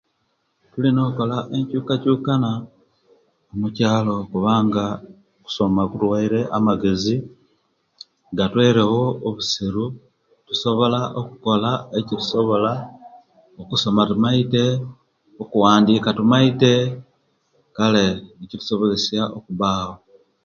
Tulina okola enkyukakyukana mukyalo kubanga okusoma kutuwere amagezi gatwerewo obusiru tusobola okukola ekyosobola, okusoma tumaite, okuwandika tumaite nikitusobozesya okubawo